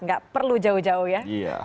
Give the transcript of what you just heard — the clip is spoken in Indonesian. gak perlu jauh jauh ya